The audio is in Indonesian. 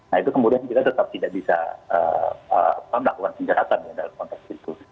nah itu kemudian kita tetap tidak bisa melakukan kejahatan ya dalam konteks itu